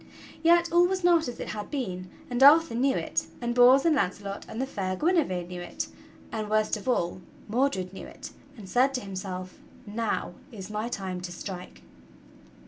Yet all was not as it had been, and Arthur knew it, and Bors and Launcelot and the fair Guinevere knew it, and, worst of all, Mordred knew it, and said to himself: "Now is my time to strike!"